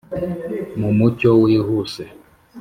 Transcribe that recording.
mu mucyo wihuse